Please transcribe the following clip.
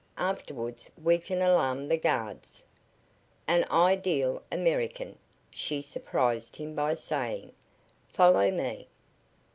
Afterwards we can alarm the guards!" "An ideal American!" she surprised him by saying. "Follow me!"